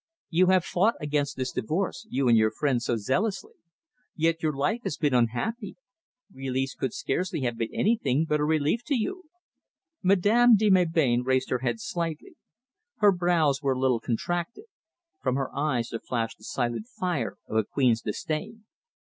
"You have fought against this divorce, you and your friends, so zealously. Yet your life has been unhappy. Release could scarcely have been anything but a relief to you!" Madame de Melbain raised her head slightly. Her brows were a little contracted. From her eyes there flashed the silent fire of a queen's disdain.